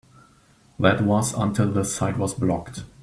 That was until the site was blocked.